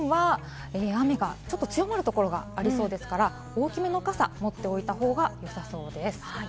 そして西日本は雨がちょっと強まるところがありそうですから、大きめの傘を持っておいたほうがよさそうです。